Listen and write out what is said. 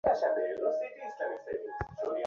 নিসার আলি তার হাত ধরে বসে ছিলেন।